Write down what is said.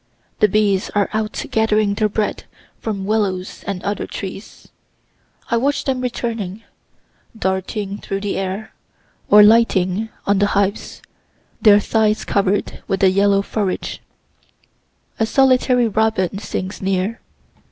The bees are out gathering their bread from willows and other trees. I watch them returning, darting through the air or lighting on the hives, their thighs covered with the yellow forage. A solitary robin sings near.